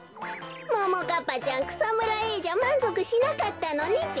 ももかっぱちゃんくさむらＡじゃまんぞくしなかったのねべ。